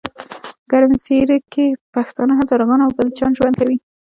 ګرمسیرکې پښتانه، هزاره ګان او بلوچان ژوند کوي.